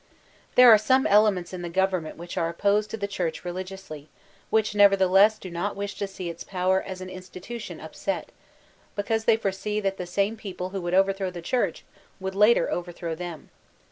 There are some elements in the government which are opposed to the Church religiously, which nevertheless do not wish to see its power as an institution upset, because they foresee that the same people who would overthrow the Churdi, would later overthrow them.